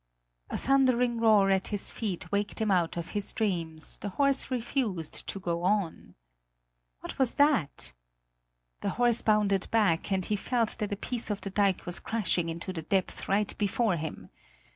A thundering roar at his feet waked him out of his dreams; the horse refused to go on. What was that? The horse bounded back, and he felt that a piece of the dike was crashing into the depth right before him.